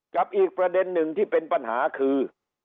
กับอีกประเด็นหนึ่งที่เป็นปัญหาคือ